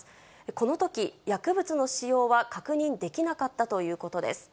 このとき、薬物の使用は確認できなかったということです。